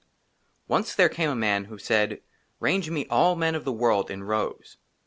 ONCE THERE CAME A MAN WHO SAID^ " RANGE ME ALL MEN OF THE WORLD IN ROWS."